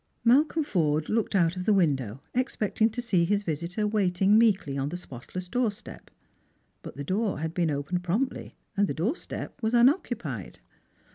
Malcolm Forde looked out of the window, expecting to see his visitor waiting meekly on the spotless doorstep ; but the door had been opened promptly, and the doorstep was unoccupied.